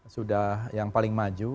sudah yang paling maju